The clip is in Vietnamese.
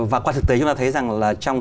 và qua thực tế chúng ta thấy rằng là trong